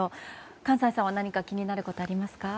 閑歳さんは何か気になることはありますか？